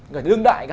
hơi thở lương đại cơ